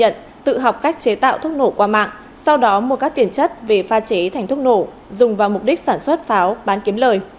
các đối tượng khai nhận tự học cách chế tạo thuốc nổ qua mạng sau đó mua các tiền chất về pha chế thành thuốc nổ dùng vào mục đích sản xuất pháo bán kiếm lời